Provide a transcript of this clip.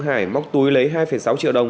hải móc túi lấy hai sáu triệu đồng